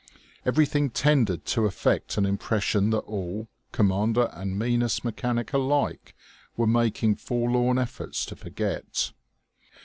Everything tended to effect an impression that all, commander and meanest mechanic alike, were making forlorn efforts to forget.